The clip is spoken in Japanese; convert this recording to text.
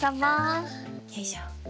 よいしょ。